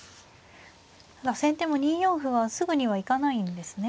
先手も２四歩はすぐには行かないんですね。